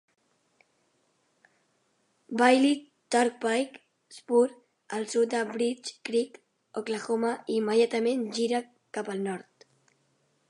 Bailey Turnpike Spur, al sud de Bridge Creek, Oklahoma, i immediatament gira cap al nord.